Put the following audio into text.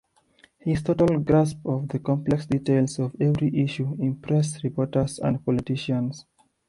His total grasp of the complex details of every issue impressed reporters and politicians.